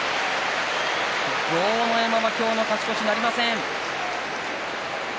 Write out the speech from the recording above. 豪ノ山は今日の勝ち越しなりません。